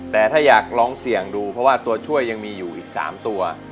แต่ถ้าอยากลองเสี่ยงดูเพราะว่าตัวช่วยยังมีอยู่อีก๓ตัว